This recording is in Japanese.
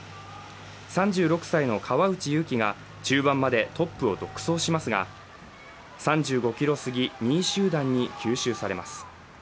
３６歳の川内優輝が中盤までトップを独走しますが３５ｋｍすぎ、２位集団に吸収されます。